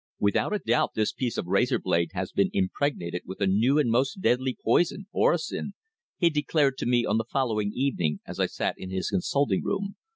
"Without a doubt this piece of razor blade has been impregnated with a new and most deadly poison, orosin," he declared to me on the following evening as I sat in his consulting room.